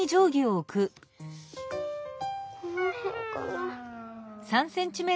このへんかな？